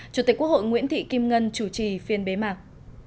chủ tịch quốc hội nguyễn thị kim ngân chủ trì phiên bế mạc